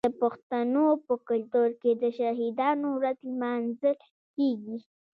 د پښتنو په کلتور کې د شهیدانو ورځ لمانځل کیږي.